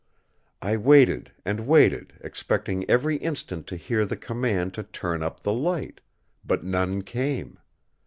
I waited and waited, expecting every instant to hear the command to turn up the light; but none came.